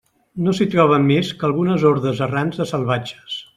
No s'hi troben més que algunes hordes errants de salvatges.